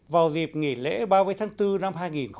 vào dịp nghỉ lễ ba mươi tháng bốn năm hai nghìn một mươi tám